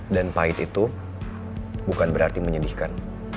dan pahit itu bukan berarti menyedihkan